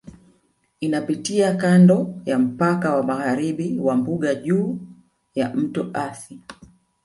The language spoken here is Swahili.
Inapitia kando ya mpaka wa magharibi wa Mbuga juu ya Mto Athi